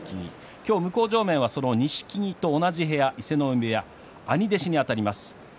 今日、向正面はその錦木と同じ部屋、伊勢ノ海部屋兄弟子にあたります